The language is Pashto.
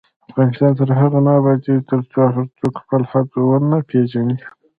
افغانستان تر هغو نه ابادیږي، ترڅو هر څوک خپل حد ونه پیژني.